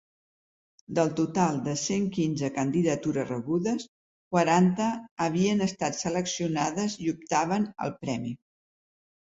Del total de cent quinze candidatures rebudes, quaranta havien estat seleccionades i optaven al Premi.